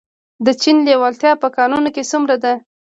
د چین لیوالتیا په کانونو کې څومره ده؟